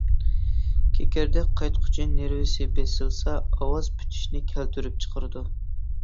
كېكىردەك قايتقۇچى نېرۋىسى بېسىلسا ئاۋاز پۈتۈشنى كەلتۈرۈپ چىقىرىدۇ.